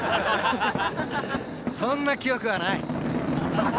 そんな記憶はない。